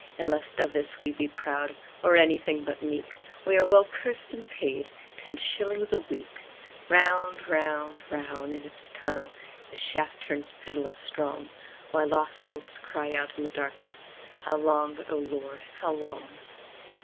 "And lest of this we be proud Or anything but meek, We are well cursed and paid— Ten shillings a week!" Round, round, round in its tunnel The shaft turns pitiless strong, While lost souls cry out in the darkness: "How long, O Lord, how long?"